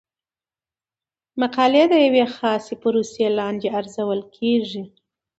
مقالې د یوې خاصې پروسې لاندې ارزول کیږي.